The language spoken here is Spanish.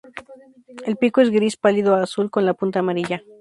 El pico es gris pálido a azul con la punta amarilla.